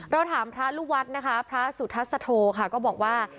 ถามพระลูกวัดนะคะพระสุทัศโธค่ะก็บอกว่า